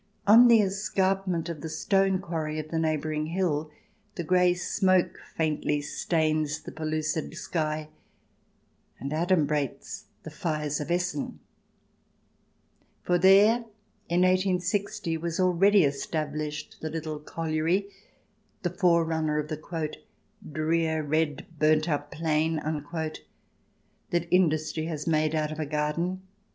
On the escarpment of the stone quarry of the neighbouring hill the grey smoke faintly stains the pellucid sky and adumbrates the fires of Essen. For there, in i860, was already established the little colliery, the forerunner of the CH. xm] GRAND DUKES AND GIPSIES 175 " drear, red, burnt up plain," that industry has made out of a garden.